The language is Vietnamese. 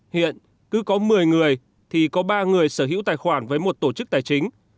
hiện cứ có một mươi người thì có ba người sở hữu tài khoản với một tổ chức tài chính